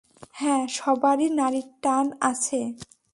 হ্যাঁ, সবারই নাড়ীর টান আছে।